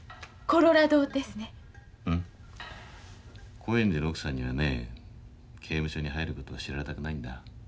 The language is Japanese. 興園寺の奥さんにはね刑務所に入ることを知られたくないんだ。